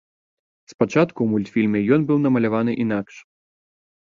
Спачатку ў мультфільме ён быў намаляваны інакш.